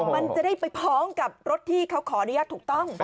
มันจะได้ไปพ้องกับรถที่เขาขออนุญาตถูกต้อง